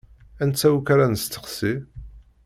Anta akk ara nesteqsi?